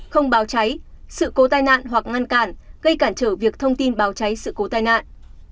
không báo cháy sự cố tai nạn hoặc ngăn cản gây cản trở việc thông tin báo cháy sự cố tai nạn